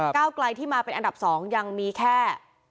ก้าวไกลที่มาเป็นอันดับ๒ยังมีแค่